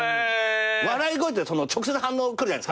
笑い声って直接反応くるじゃないっすか。